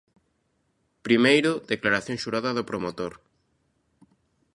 Primeiro, declaración xurada do promotor.